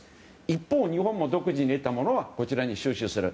一方、日本も独自に得たものはこちらに収集する。